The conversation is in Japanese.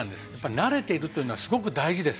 慣れているというのはすごく大事です。